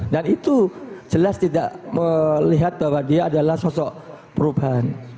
dan itu jelas tidak melihat bahwa dia adalah sosok perubahan